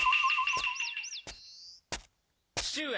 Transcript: ・父上！